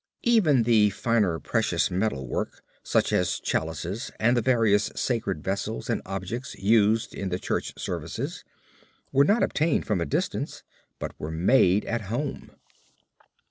Even the finer precious metal work such as chalices and the various sacred vessels and objects used in the church services, were not obtained from a distance but were made at home.